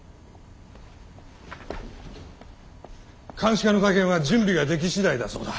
監視課の会見は準備ができ次第だそうだ。